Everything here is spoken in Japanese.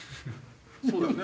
そうだよね？